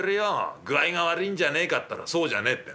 具合が悪いんじゃねえかったらそうじゃねえってん」。